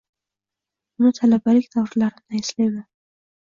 Uni talabalik davrlarimdan eslayman